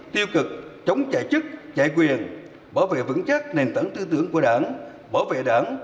tiêu cực chống chạy chức chạy quyền bảo vệ vững chắc nền tảng tư tưởng của đảng bảo vệ đảng